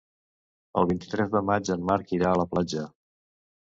El vint-i-tres de maig en Marc irà a la platja.